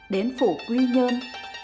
đến phủ quy nhơn